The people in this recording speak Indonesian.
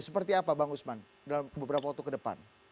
seperti apa bang usman dalam beberapa waktu ke depan